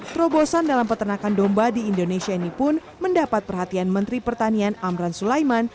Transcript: terobosan dalam peternakan domba di indonesia ini pun mendapat perhatian menteri pertanian amran sulaiman